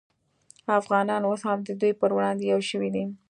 افغانان اوس د دوی پر وړاندې یو شوي دي